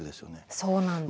そうなんです。